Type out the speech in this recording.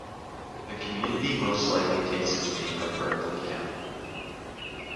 The community most likely takes its name from Berkeley County.